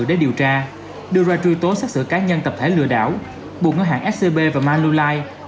để điều tra đưa ra truy tố xác xử cá nhân tập thể lừa đảo buộc ngân hàng scb và maulife